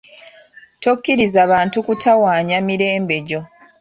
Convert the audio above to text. Tokkiriza bantu kutawaanya mirembe gyo.